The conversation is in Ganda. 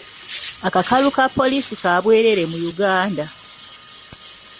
Akakalu ka poliisi ka bwereere mu Uganda.